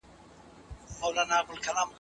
هغه واکمنان چي مسلمانان سول، ډېر عادل وو.